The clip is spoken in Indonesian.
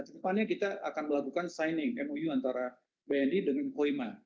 nah itu terdepannya kita akan melakukan signing mou antara bnd dan employment